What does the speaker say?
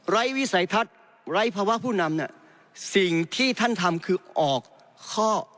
วิสัยทัศน์ไร้ภาวะผู้นำเนี่ยสิ่งที่ท่านทำคือออกข้อ